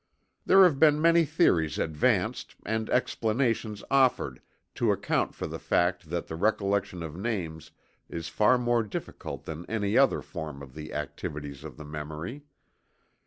There have been many theories advanced, and explanations offered to account for the fact that the recollection of names is far more difficult than any other form of the activities of the memory.